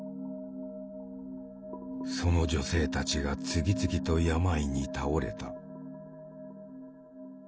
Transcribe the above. その女性たちが次々と病に倒れた。